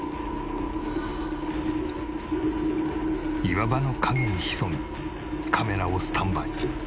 岩場の陰に潜みカメラをスタンバイ。